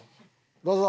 どうぞ。